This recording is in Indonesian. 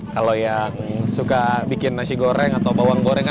kalau yang suka bikin nasi goreng atau bawang goreng